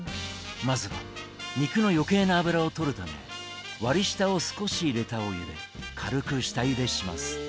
まずは肉の余計な脂をとるため割り下を少し入れたお湯で軽く下ゆでします。